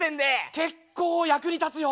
結構役に立つよ！